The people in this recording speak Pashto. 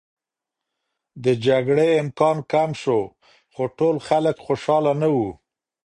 د جګړې امکان کم شو، خو ټول خلک خوشحاله نه و.